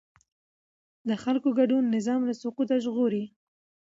د خلکو ګډون نظام له سقوطه ژغوري